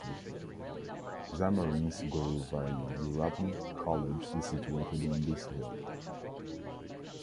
Zamorins Guruvayurappan College is situated on this hill.